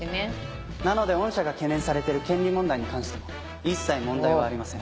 なので御社が懸念されてる権利問題に関しても一切問題はありません。